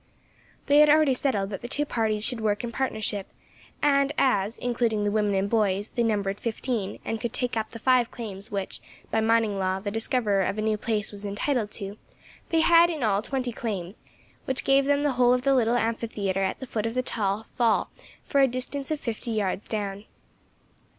They had already settled that the two parties should work in partnership, and as, including the women and boys, they numbered fifteen, and could take up the five claims which, by mining law, the discoverer of a new place was entitled to, they had in all twenty claims, which gave them the whole of the little amphitheatre at the foot of the fall for a distance of fifty yards down.